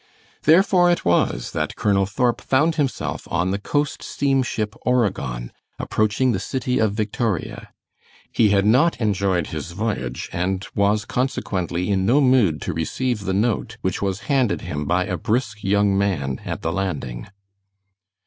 Therefore it was that Colonel Thorp found himself on the coast steamship Oregon approaching the city of Victoria. He had not enjoyed his voyage, and was, consequently, in no mood to receive the note which was handed him by a brisk young man at the landing.